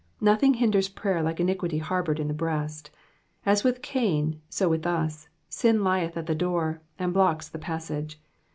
Nothing hinders prayer like iniquity harboured in the breast ; as with Cain, so with us, sin Heth at the door, and blocks the passage.